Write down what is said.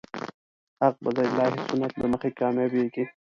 حق به د الهي سنت له مخې کامیابېږي.